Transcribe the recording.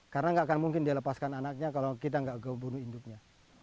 karena gak akan mungkin dilepaskan anaknya kalau kita gak bunuh induknya